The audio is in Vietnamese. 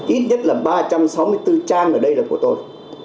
ít nhất là ba trăm sáu mươi bốn trang ở đây là của tôi